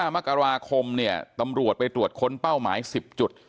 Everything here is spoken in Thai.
มกราคมเนี่ยตำรวจไปตรวจค้นเป้าหมาย๑๐จุด